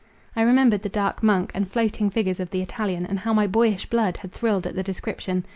I remembered the dark monk, and floating figures of "The Italian," and how my boyish blood had thrilled at the description.